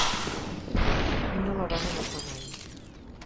I no la van agafar mai!